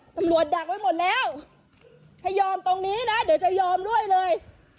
ตำรวจดักว่าหมดแล้วให้ยอมตรงนี้นะเดี๋ยวจะยอมด้วยเลย